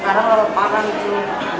sekarang parah itu